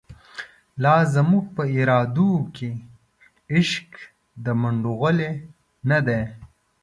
لازموږ په ارادوکی، عشق دمنډوغلی نه دی